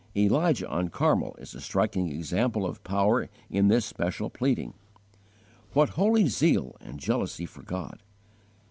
Elijah on Carmel is a striking example of power in this special pleading. What holy zeal and jealousy for God!